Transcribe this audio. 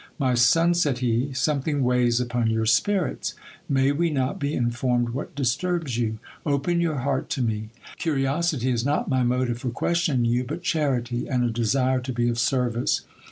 My son, said he, some thing weighs upon your spirits. May we not be informed what disturbs you ? Open your heart to me. Curiosity is not my motive for questioning you, but charity, and a desire to be of service.